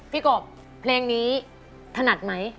พี่กบเพลิงนี้ถนัดมั้ย